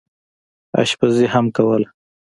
اشپزي هم کوله.